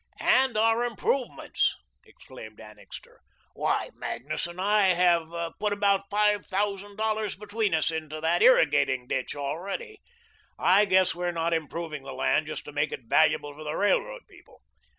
"And our improvements," exclaimed Annixter. "Why, Magnus and I have put about five thousand dollars between us into that irrigating ditch already. I guess we are not improving the land just to make it valuable for the railroad people.